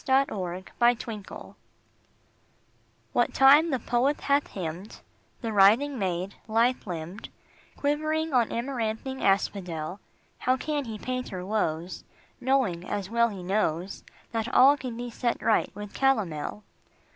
POETRY EVERYWHERE WHAT time the poet hath hymned The writhing maid, lithe limbed, Quivering on amaranthine asphodel, How can he paint her woes, Knowing, as well he knows, That all can be set right with calomel?